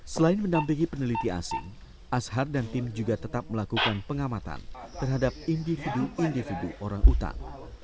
selain mendampingi peneliti asing ashar dan tim juga tetap melakukan pengamatan terhadap individu individu orang utan